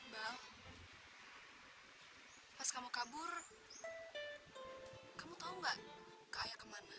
pas kamu kabur kamu tahu gak ke ayah kemana